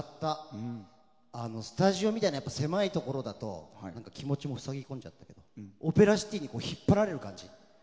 スタジオみたいに狭いところだと気持ちも塞ぎ込んじゃったけどオペラシティに引っ張られる感じ。